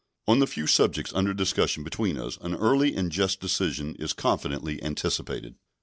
On the few subjects under discussion between us an early and just decision is confidently anticipated.